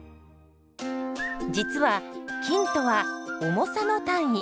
実は「斤」とは「重さ」の単位。